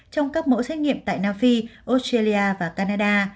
trong các mẫu xét nghiệm tại nam phi australia và canada